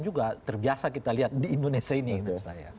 juga terbiasa kita lihat di indonesia ini